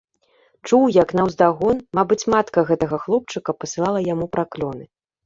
Чуў, як наўздагон, мабыць, матка гэтага хлопчыка пасылала яму праклёны.